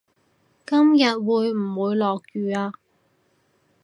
今日會唔會落雨呀